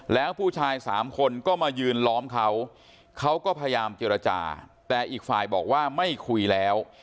แล้วผู้ชายสามคนก็มายืนล้อมเขาเขาก็พยายามเจรจาแต่อีกฝ่ายบอกว่าไม่คุยแล้ว